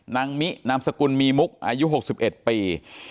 มินามสกุลมีมุกอายุ๖๑ปี